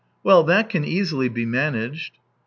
" Well, that can easily be managed."